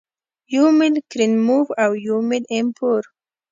یو میل کرینموف او یو میل ایم پور